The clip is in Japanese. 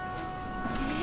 え。